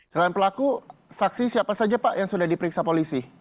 selain pelaku saksi siapa saja pak yang sudah diperiksa polisi